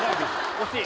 惜しい。